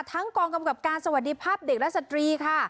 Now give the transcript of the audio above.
กองกำกับการสวัสดีภาพเด็กและสตรีค่ะ